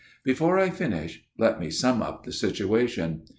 " Before I finish, let me sum up the situation.